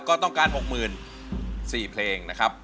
ก็ต้องการ๖๐๐๐๐บาท๔เพลงนะครับ